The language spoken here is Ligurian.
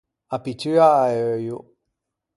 A pittua à euio.